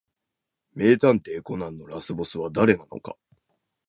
名探偵コナンのラスボスは誰なのか